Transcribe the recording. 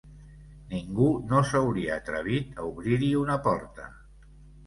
Ningú no s'hauria atrevit a obrir-hi una porta.